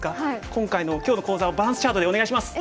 今回の今日の講座をバランスチャートでお願いします！